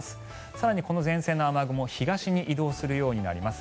更にこの前線の雨雲東に移動するようになります。